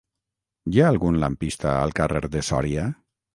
Hi ha algun lampista al carrer de Sòria?